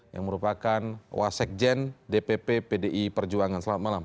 yang merupakan wasekjen dpp pdi perjuangan selamat malam